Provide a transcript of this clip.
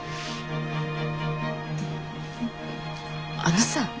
あのさ。